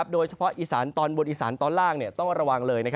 โดยเฉพาะอีสานตอนบนอีสานตอนล่างต้องระวังเลย